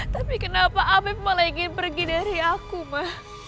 tapi kenapa afif malah ingin pergi dari aku ma